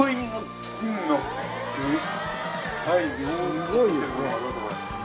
すごいですね。